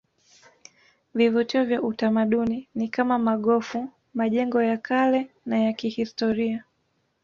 Vivutio vya utamaduni ni kama magofu majengo ya kale na ya kihistoria